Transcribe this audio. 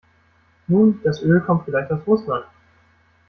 Nun, das Öl kommt vielleicht aus Russland.